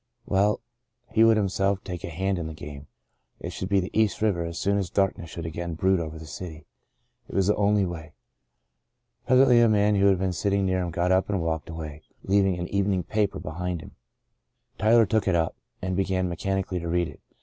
Well, he would himself take a hand in the game. It should be the East River as soon as darkness should again brood over the city. It was the only way. Presently a man who had been sitting near him got up and walked away, leaving an evening paper behind him. Tyler took it up and began mechanically to read it.